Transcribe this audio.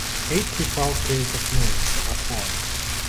Eight to twelve pairs of nerves are formed.